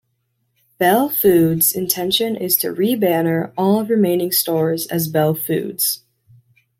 Belle Foods intention is to re-banner all remaining stores as Belle Foods.